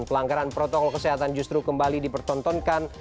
pelanggaran protokol kesehatan justru kembali dipertontonkan